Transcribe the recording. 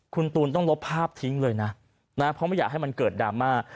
คุณตูนต้องลบภาพทิ้งเลยนะนะเพราะไม่อยากให้มันเกิดดราม่า